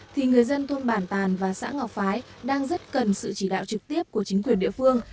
thì người dân thôn bản tàn và xã ngọc phái đang rất cần sự chỉ đạo trực tiếp của chính quyền địa phương